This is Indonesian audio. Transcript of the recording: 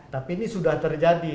tapi ini sudah terjadi